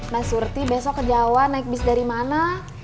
mas surti besok ke jawa naik bis dari mana